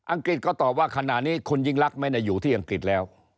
กฤษก็ตอบว่าขณะนี้คุณยิ่งลักษณ์ไม่ได้อยู่ที่อังกฤษแล้ว